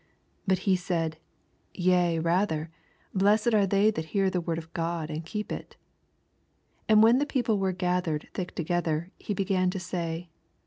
28 Bat he said, Tea rather, blessed a/re they that hear the word of God, and keep it. 29 And when the people were ga thered thick together ,ne began to say.